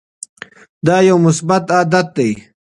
دا یو مثبت عادت دی.